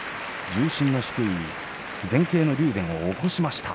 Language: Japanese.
重心の低い前傾の竜電を起こしました。